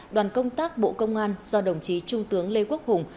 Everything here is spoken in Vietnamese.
đoàn công tác bộ công an do đồng chí trung tướng lê quốc hùng